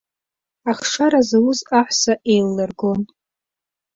Ахшара зауаз аҳәса еиллыргон.